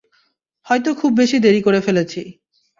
হয়তো খুব বেশি দেরি করে ফেলেছি।